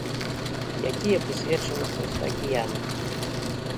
Якія прысвечаны проста акіяну.